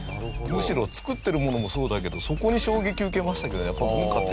むしろ作ってるものもそうだけどそこに衝撃受けましたけどやっぱはあ。